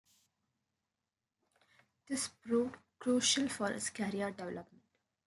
This proved crucial for his career development.